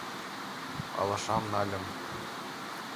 Алашам нальым -